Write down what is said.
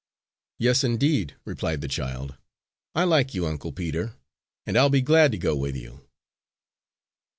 "Yes, indeed," replied the child. "I like you, Uncle Peter, and I'll be glad to go with you."